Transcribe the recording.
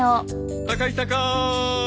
高い高ーい！